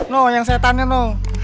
no yang setannya no